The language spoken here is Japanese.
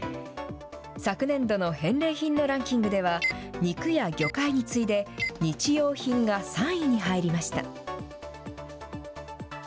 昨年度の返礼品のランキングでは、肉や魚介に次いで、日用品が３位に入りました。